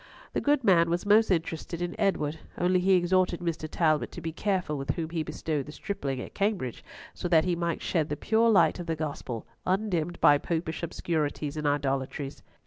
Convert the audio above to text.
The good man was most interested in Edward, only he exhorted Mr. Talbot to be careful with whom he bestowed the stripling at Cambridge, so that he might shed the pure light of the Gospel, undimmed by Popish obscurities and idolatries.